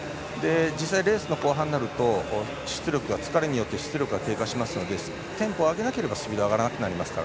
実際、レースの後半になると疲れによって出力が低下しますのでテンポを上げなければスピードが上がらなくなるので。